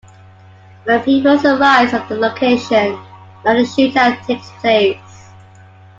When Peoples arrives at the location, another shootout takes place.